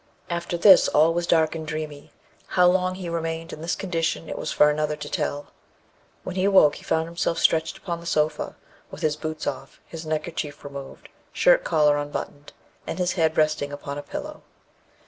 After this, all was dark and dreamy: how long he remained in this condition it was for another to tell. When he awoke, he found himself stretched upon the sofa, with his boots off, his neckerchief removed, shirt collar unbuttoned, and his head resting upon a pillow.